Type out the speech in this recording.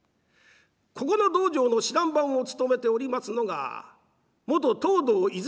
ここの道場の指南番を務めておりますのが元藤堂和泉